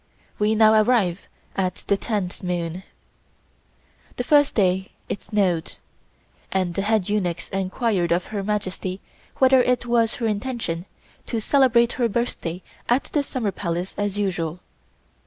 We now arrive at the tenth moon. The first day it snowed, and the head eunuch enquired of Her Majesty whether it was her intention to celebrate her birthday at the Summer Palace as usual.